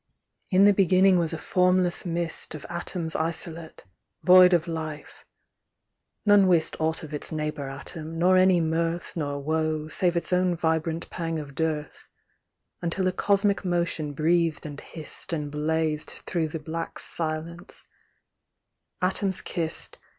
In the beginning was a formless mist Of atoms isolate, void of life ; none wist Aught of its neighbour atom, nor any mirth. Nor woe, save its own vibrant pang of dearth ; Until a cosmic motion breathed and hissed And blazed through the black silence ; atoms kissed.